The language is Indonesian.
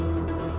aku mau ke rumah